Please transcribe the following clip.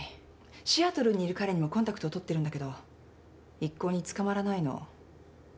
シアトルにいる彼にもコンタクトを取ってるんだけど一向につかまらないの。